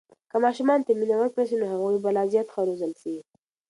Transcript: که ماشومانو ته مینه ورکړل سي، نو هغوی به لا زیات ښه روزل سي.